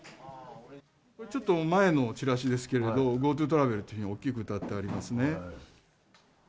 ちょっと前のチラシですけれど、ＧｏＴｏトラベルというふうに大きくうたっておりますね。